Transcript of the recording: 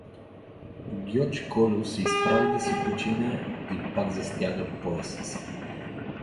Гьоч Кольо се изправи да си почине и пак застяга пояса си.